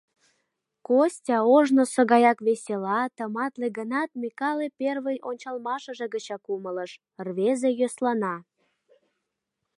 Костя ожнысо гаяк весела, тыматле гынат, Микале первый ончалмашыже гычак умылыш: рвезе йӧслана.